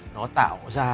nó tạo ra